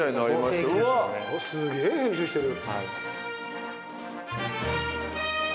すげぇ編集してる。